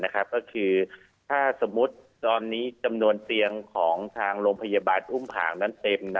ก็คือถ้าสมมุติตอนนี้จำนวนเตียงของทางโรงพยาบาลอุ้มผ่างนั้นเต็ม